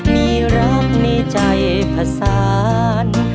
มีรักในใจผสาน